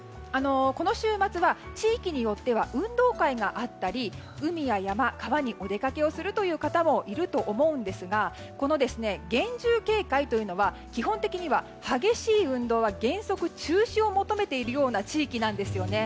この週末は、地域によっては運動会があったり海や山、川にお出かけをする方もいると思うんですがこの厳重警戒というのは基本的には激しい運動は原則中止を求めている地域なんですね。